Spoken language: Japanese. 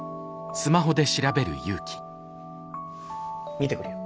見てくるよ。